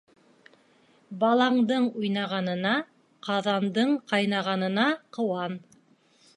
Балаңдың уйнағанына, ҡаҙандың ҡайнағанына ҡыуан.